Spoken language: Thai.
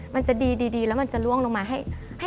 มันจะดีแล้วมันจะล่วงลงมาให้